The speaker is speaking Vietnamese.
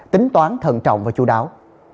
tính toán thận trọng và chú đáo